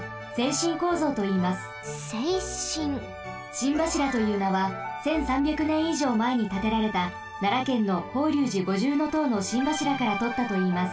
心柱というなは１，３００ねんいじょうまえにたてられたならけんの法隆寺五重塔の心柱からとったといいます。